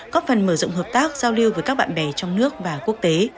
có phần mở rộng hợp tác giao lưu với các bạn bè trong nước và quốc tế